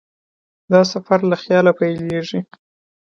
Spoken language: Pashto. دا سفر له خیال پیلېږي.